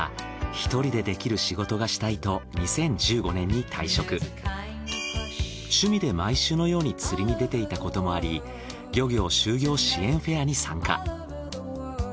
１人でできる仕事がしたいと趣味で毎週のように釣りに出ていたこともあり漁業就業支援フェアに参加。